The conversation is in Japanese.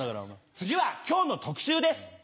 次は今日の特集です。